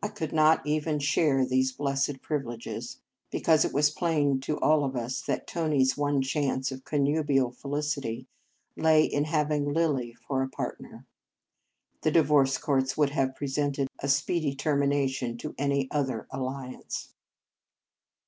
I could not even share these blessed privileges, because it was plain to all of us that Tony s one chance of connubial felicity lay in having Lilly for a partner. The divorce courts would have presented a speedy termination to any other alliance.